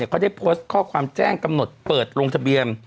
ก็ได้โพสต์ข้อความแจ้งกำหนดเปิดลงทะเบียน